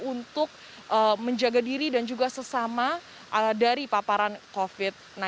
untuk menjaga diri dan juga sesama dari paparan covid sembilan belas